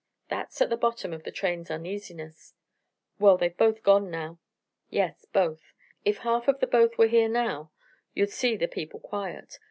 That's at the bottom of the train's uneasiness." "Well, they've both gone now." "Yes, both. If half of the both were here now you'd see the people quiet.